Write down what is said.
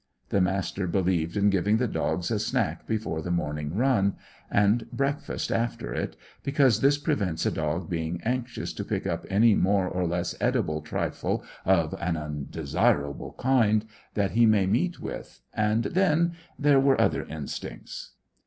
The Master believed in giving the dogs a snack before the morning run, and breakfast after it, because this prevents a dog being anxious to pick up any more or less edible trifle of an undesirable kind that he may meet with, and, then, there were other instincts.